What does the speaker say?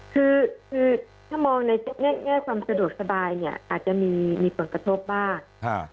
คือคือถ้ามองในแง่ความสะดวกสบายเนี่ยอาจจะมีผลกระทบบ้าง